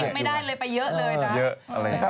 เยอะอะไรค่ะ